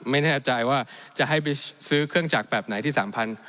ไม่แน่ใจว่าจะให้ไปซื้อเครื่องจักรแบบไหนที่สามพัน